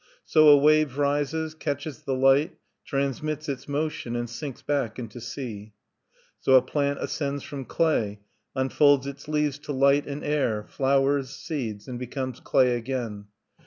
So a wave rises, catches the light, transmits its motion, and sinks back into sea. So a plant ascends from clay, unfolds its leaves to light and air, flowers, seeds, and becomes clay again.